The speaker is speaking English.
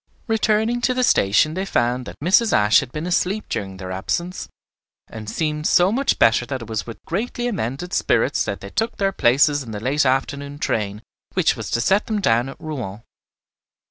Returning to the station they found that Mrs. Ashe had been asleep during their absence, and seemed so much better that it was with greatly amended spirits that they took their places in the late afternoon train which was to set them down at Rouen.